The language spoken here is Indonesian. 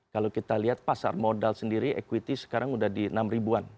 kalau kita lihat pasar modal sendiri equity sekarang sudah di enam ribuan